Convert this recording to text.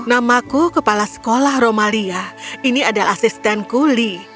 namaku kepala sekolah romalia ini adalah asistenku lee